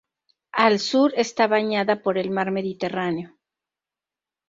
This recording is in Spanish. Al sur está bañada por el mar Mediterráneo.